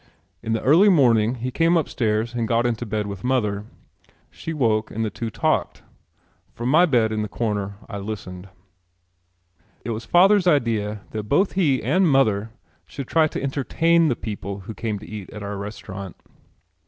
In the early morning he came upstairs and got into bed with mother. She woke and the two talked. From my bed in the corner I listened. It was father's idea that both he and mother should try to entertain the people who came to eat at our restaurant.